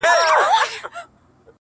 خلک غوټۍ ته روڼي شپې کړي!!